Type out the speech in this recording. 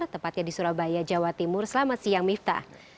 tepatnya di surabaya jawa timur selamat siang mifta